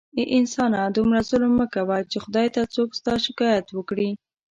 اې انسانه دومره ظلم مه کوه چې خدای ته څوک ستا شکایت وکړي